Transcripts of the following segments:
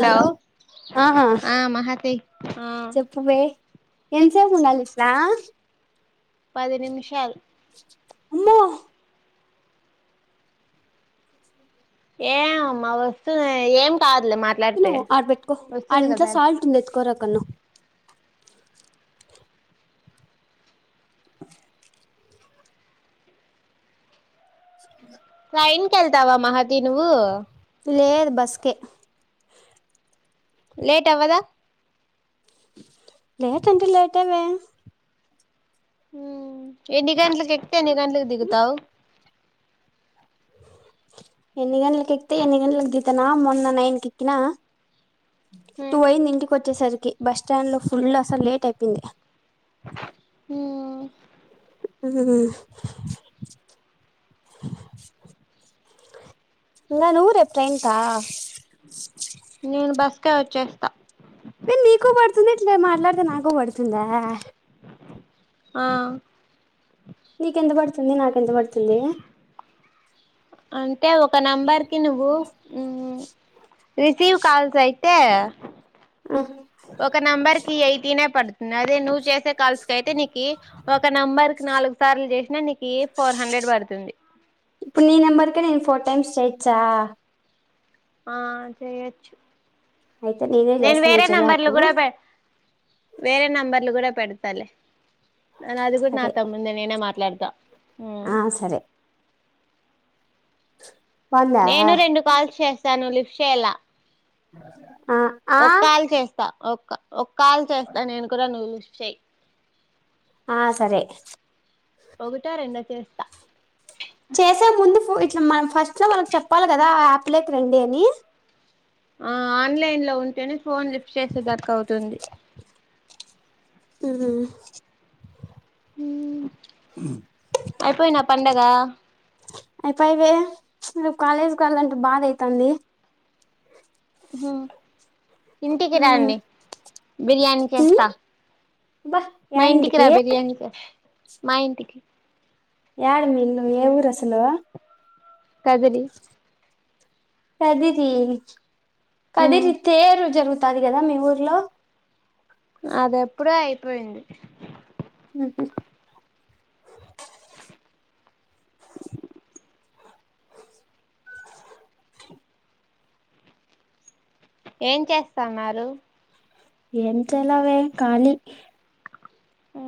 Hello ఆహా ఆ మహాతి ఆ చెప్పువే ఎంత సేపు ఉండాలి ఇట్లా పదినిమిషాలు అమ్మో ఏమ్ మా వస్తున్నయ్ ఏం కాద్ ఆడబెట్టుకో ఆడ్ ఇంట్లో సాల్ట్ ఉంది ఎతుకోర కన్నా ట్రైన్ కీ కెల్తవా మహతి నువ్వు లేదు బస్కే లేట్ అవ్వదా లేట్ అంటె లేట్వే ఎన్ని గంటలకి ఎక్తే ఎన్ని గంటలక్ దిగుతావు ఎన్ని గంటలకి ఎక్తే ఎన్ని గంటలకి దితనా మొన్న నైన్కి ఎక్కినా టూ అయింది ఇంటికి ఓచ్చేసరికి బస్ స్టాండ్లో ఫుల్ అసలు లేట్ అయిపోంది హూ ఇది పిల్ల నువ్వు రేపు ట్రైన్స్క నేను బస్కే ఓచ్చేస్తా ఏ నీకు పడుతుంది ఇట్లే మాట్లాడితే నాకు పడుతుందా ఆ తుంది నాకెంత పడుతుంది అంటే అది ఒక నంబర్ కి నువ్వు మ్ రసీవ్ కాల్స్ అయితే ఆ ఒక నెంబర్ కి ఎయిటీనే పడుతుంది అదే నువ్వు చేసే కల్స్కి అయితే నీకి ఒక నెంబర్ నాలుగు సార్లు చే ఇప్పుడు ఈ నంబర్కే నేను ఫోర్ టైమ్స్ చేయిచ్చా ఆ చేయచ్చు అయితే నేనే నేను చేస్తాను వేరే నువ్వు నంబర్లు చెయ్యకు కూడా పె వేరే నంబర్లు కూడా పెడతలేే న అది కూడా నా సరే తముందే నేనే మాట్లాడత ఆ సరే వందా ఆ నేను రెండు కాల్స్ చేశాను లిఫ్ట్ చేయాల [unintelligible] ఆ ఒ కాల్ చేస్తా ఒక ఒ కాల్ చేస్తా నేను కూడా నువ్వు చ్చేయి ఆ సరే ఒక్కట రెండా చే చేసే ముందు ఫో ఇట్లా మనం ఫస్ట్ లో మనకు చెప్పాలి కదా ఆ అప్ లోకి రండి అని ఆ ఆన్లైన్ లో ఉంటేనే ఫోన్ లిఫ్ట్ చేసే దక ఉంటుంది ఉహు మ్ అయిపోయి నా పండగా అయిపోవే రేపు కాలేజ్కి వెళ్లాలంటే బాధ ఐతంది హు ఇంటికి మ్మ్ రండి బిర్యానీ మ్మ్ చేస్తా అబ్బా యా మీ ఇంటికి రా బిర్యానీ చెస్ మా ఇంటికి యడ మీది నువ్ ఏ ఊరు అసలు కదిరీ కదిరీ మ్మ్ కదిరీ తేరు జరుగు కాదు కదా మీ ఊర్లో అది ఎప్పుడో అయిపోయింది ఉహ్మ్ ఏం చేస్తన్నారు ఏం చలవే కాలి ఆ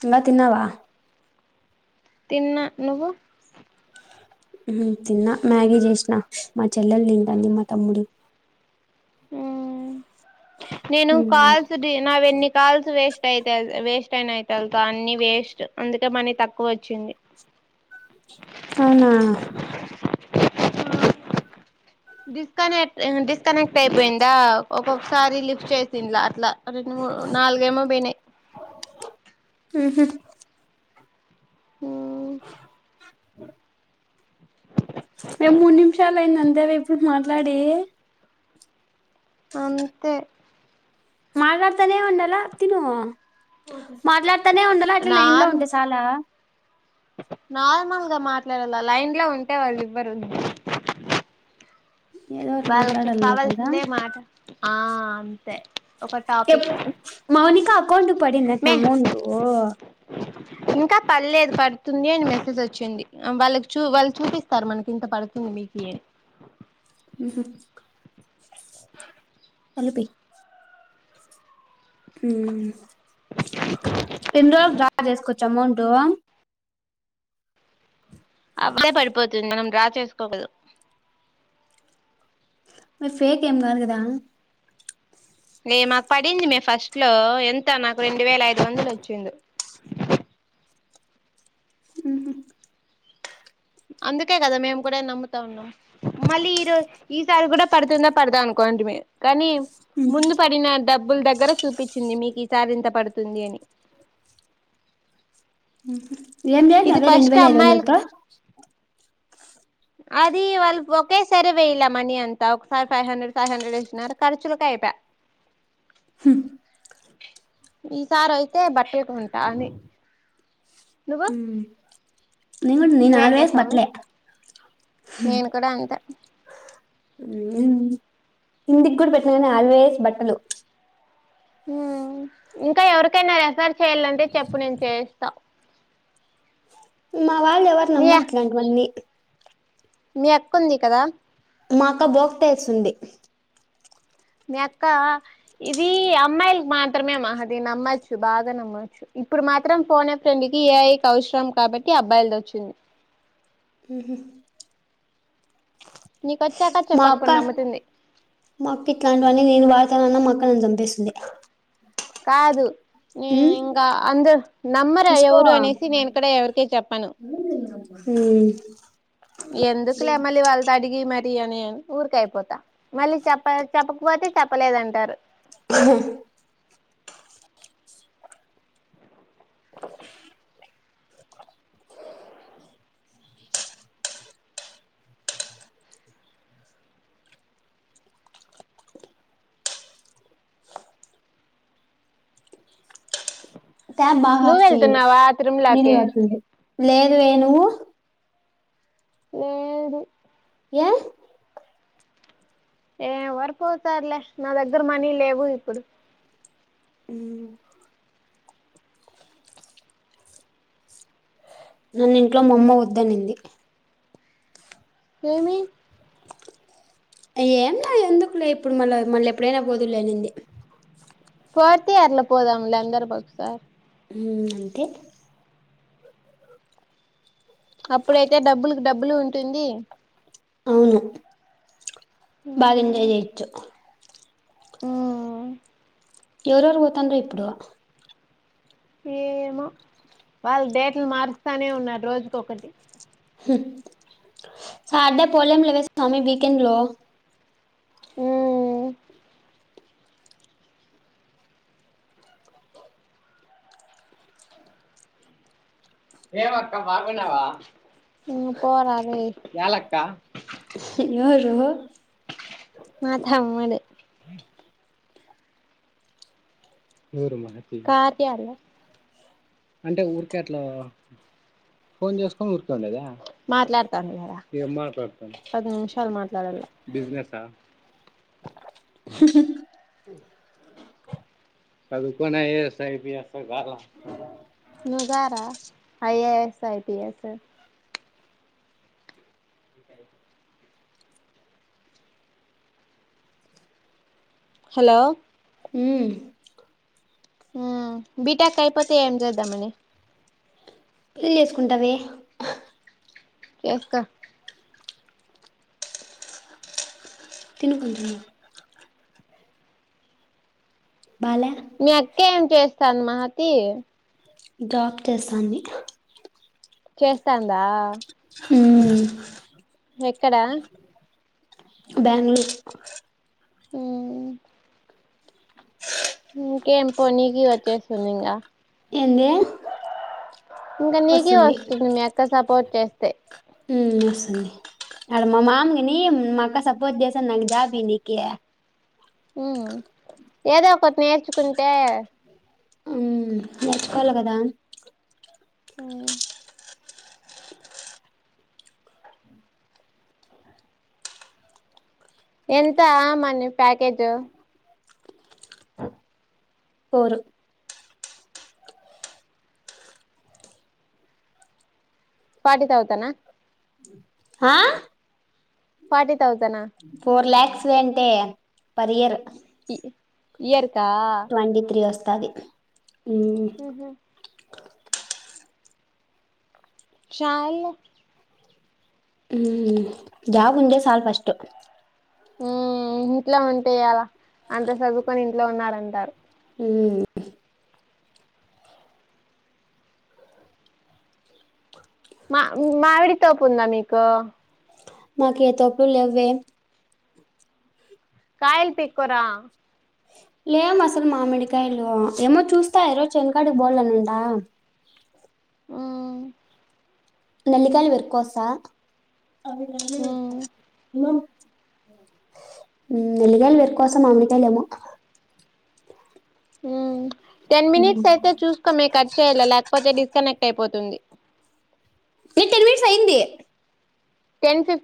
తిన్న తిన్నావా తిన్న నువ్వు ఉమ్ తిన్నా మ్యాగీ జేస్నా మా చెల్లెల్ తింటాది మా తమ్ముడు ఊ నేను మ్మ్ కాల్స్ డి నావెన్ని కాల్స్ వేస్ట్ ఐతయ్ అవి వేస్ట్ ఐనయతే అవ్ అన్ని వేస్ట్ అందుకే మనీ తక్కువోచ్చింది అవునా డిస్కనెక్ట్ ఇ డిస్కనెక్ట్ ఐపోయిందా ఒ ఒకొక్సారి లిఫ్ట్ చేసింలా అట్లా రెండు మూడ్ నాల్గేమో బొయ్నాయ్ ఉహు ఉ మేమ్ మూడ్ నిమ్షాల్ ఐందంతేవె ఇప్పుడ్ మాట్లాడి అంతే మాట్లాడ్తనేే ఉండలా తిను మాట్లాడ్తానే ఉండాల ఇట్లా లైన్ లో ఉంటే సాలా నార్మల్గా మాట్లాడాల లైన్ లో ఉంటే వాళ్ళివ్వరు ఏదో ఒకటి వాళ్ళక్కి మాట్లాడాల కదా కావాల్సిందే మాట ఒక ఎప్ టాపిక్ మౌనికా అకౌంట్క్ మే పడిందాట్న అమౌంటు ఇంకా పల్లేద్ పడ్తుంది అని మెసేజోచ్చింది వాళ్ళక్ చూ వాళ్ చూపిస్తారు మనకింత పడుతుం నికి ఉహు కలిపి ఉమ్ పెన్లొ డ్రా చేస్కోచ్చ అమౌంటు అప్డే పడిపోతుంది మనం డ్రా చేస్కోవదు మీర్ ఫేకేం గద్ గదా నె మాక్ పడింది మే ఫస్ట్ లో ఎంత నాకు రెండు వేల ఐదు వందలోచ్చిందు ఉహు అందుకే గదా మేమ్ గూడా నమ్ముతా ఉన్నాం మళ్ళీ ఈ రొజ్ ఈసారి గూడా పడ్తుందా పడ్ద అన్కు కొంటిమి కానీ ముందు పడిన డబ్ బ్బుల్ దగ్గర చూపిచింది మీకిసార్ ఇంత పడ్తుంది అని ఉహు ఏం ఇది జేస్నావే ఫస్ట్ రెండువేల ఐదవందల్ అమ్మాయిలకు తో అది వాళ్ ఒకేసారి వైలే మనీ అంతా ఒక్సారి ఫైవ్ హండ్రెడ్ ఫైవ్ హండ్రెడ్ ఎస్నర్ ఖర్చులకై ఐపై ఈసారైతే బట్టల్ కొంటా అని నువ్వు నేను గు నేన్ నువ్వేం ఆల్వేస్ చేస్తావమ్మి బట్లే నేను కూడా అంతే ఉమ్ ఇంటిక్ గూడ్ పెట్న గని ఆల్వేస్ బట్టలు ఉమ్ ఇంకా ఎవర్కైనా రెఫర్ చేయాలంటే చెప్పు నేన్ చేస్తా మా వాళ్ ఎవర్ మీ నమ్మట్లే ఇంకివన్నీ మీ అక్కుంది కదా మా అక్క బోక్ తెల్సుంది మియక్క ఇది అమ్మాయిల్ మాత్రమే మాహ దిన్ నమ్మచ్చు బాగా నమ్మచ్చు ఇప్పుడు మాత్రం ఫోన్ ఎ ఫ్రెండ్ కి ఏఐ కౌవ్సరం కాబట్టి అబ్బాయిల్ దచ్చింది ఉహు నీకు వచ్చాక చెప్పు అప్పుడు మాక్క నమ్ముతుంది మాక్కిట్లాంట్వన్నీ నీన్ బ ద్ తన నమ్మకాన్ని జంపేసింది కాదు నేనింకా అందర్ నమ్మరు చూసుకో ఎవరు అనేసి నేన్కూడ ఎవర్కీ చెప్పాను హుమ్ ఎందుకులే మళ్ళీ వాళ్ళతో అడిగి మరి అని ఊరికె అయిపోతా మళ్ళీ చెప్ప చెప్పకపోతే చెప్పలేదంటారు టాప్ బాగా నువ్వు ఆఫ్ చెయ వెళ్తున్నావా నీలు తిరుమలకి కారుతుంది లేదు ఏ ఏ ఎవ్వరు పోతారు లే నా దగ్గర మనీ లేవు ఇప్పుడు ఉమ్ నన్న్ ఇంట్లో మా అమ్మ వద్దనింది ఏమీ ఏంలే ఎందుకులే ఇప్పుడు మళ్ళా మళ్ళీ ఎప్పుడైనా పోదువు లే ఆనింది ఫోర్త్ ఇయర్ లో పోదాము లే అందరం ఒక్కసారి ఉమ్ అంతే అప్పుడైతే డబ్బులకి డబ్బులు ఉంటుంది అవును బాగా ఎంజాయ్ జేయచ్చు ఉమ్ ఎవరు ఎవరు పోతాండ్రు ఇప్పుడు ఏమో వాళ్ళు డేట్లు మారుత్తానే ఉన్నారు రోజుకొక్కటి సార్డే పోలేం లేవే స్వామి వీకెండ్ లో ఉమ్ ఏవక్క మగున్నావా నువ్వు పోరారే ఏలక్క ఎవరు మా థమ్ముడు కార్య రా మాట్లాడత్తాన్ పది నిముషాలు మాట్లాడాలా సదుకొని ఐఏఎస్ సో ఐపిఎస్ గాల గార IAS, IPS hello um um B. Tech అయ్యిపోతే ఏం జేదాం మని పెళ్లి చేసుకుంటావే ఎస్కో తినుకుంటు బాలే మీ అక్కే ఏం చేస్తాంది మహతీ జాబ్ చేస్తాంది చేస్తాందా ఉమ్ ఎక్కడ బెంగళూరు ఉమ్ ఇంకేంపో నీకీ వచ్చే ఏంది ఇంకా నీకి వస్తుంది మీ అక్క సపోర్ట్ చేస్తే ఉమ్ [unintelligible] ఆడు మా మామయ్య నీ మా అక్క సపోర్జ జేసాంద్ నాక్ జాబ్ ఈయనికీ ఉమ్ ఏదో ఒక్కట్ నేర్చుకుంటే ఉమ్ నేర్చుకోవాల కదా ఉమ్ ఎంత ఆ money package four forty thousand నా హా ఫార్టీ థౌసనా ఫోర్ ల్యాక్స్ అంటే పర్ ఇయర్ ఇయర్ కా ట్వంటీ త్రీ ఒస్తాది ఉహ్మ్ చాల్లే ఉమ్ జాబ్ ఉంటే సాల్ ఫస్ట్ ఉమ్ ఇంట్ల ఉంటయి యేలా అంత చదువుకొని ఇంట్లో ఉన్నారంటారు ఉమ్ మ మామిడి తోపు ఉందా మీక్ మాకు ఏ తోప్పుల్లెవ్వే కాయల్ పీక్కురా లేం అసలు మామిడికాయలు ఏమో చూస్తా ఇ రోజ్ చైనకాడిక్ బోలేనుండా ఉమ్ నల్లి కాయలు పెర్కొస్తా మ్మ్ ఉమ్ నెల్లిగయలి పెర్ కోస్ మామిడికాయలేమో ఉమ్ టెన్ మ్మ్ మినిట్స్ అయితే చూసుకో మీ కట్ చేయాల లేకపోతే డిస్కనెక్ట్ అయిపోతుంది ఎ టెన్ మినిట్స్ అయింది టెన్ ఫిఫ్టీ